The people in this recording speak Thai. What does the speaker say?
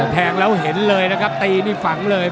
แทงแล้วเห็นเลยนะครับตีนี่ฝังเลย